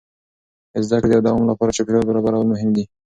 د زده کړې د دوام لپاره چاپېریال برابرول مهم دي.